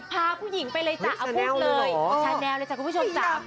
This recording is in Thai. ชาแนวเลยหรอ